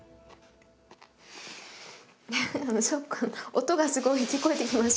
音がすごい聞こえてきます